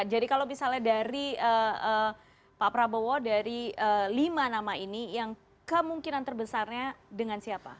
kalau misalnya dari pak prabowo dari lima nama ini yang kemungkinan terbesarnya dengan siapa